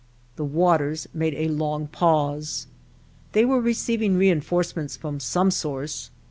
The waters made a long pause. They were re ceiving reinforcements from some source.